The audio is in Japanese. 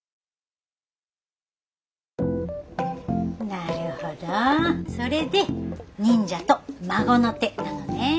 なるほどそれで忍者と孫の手なのね。